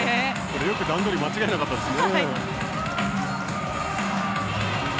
よく段取り間違えなかったですね。